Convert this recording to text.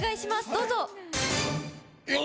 どうぞ。